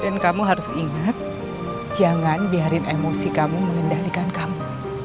dan kamu harus ingat jangan biarin emosi kamu mengendalikan kamu